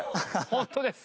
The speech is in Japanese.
ホントです。